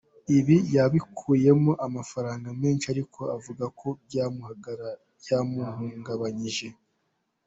Ibi yabikuyemo amafaranga menshi ariko avuga ko byamuhungabanyije.